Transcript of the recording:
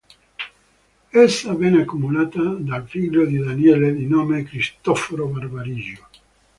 Essa venne accumulata dal figlio di Daniele, di nome Cristoforo Barbarigo.